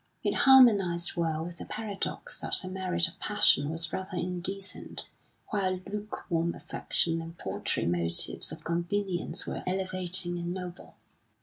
It harmonised well with the paradox that a marriage of passion was rather indecent, while lukewarm affection and paltry motives of convenience were elevating and noble.